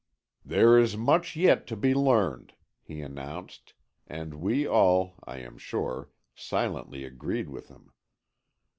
"There is much yet to be learned," he announced, and we all, I am sure, silently agreed with him.